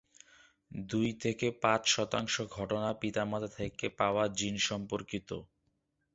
দুই থেকে পাঁচ শতাংশ ঘটনা পিতামাতা থেকে পাওয়া জিন সম্পর্কিত।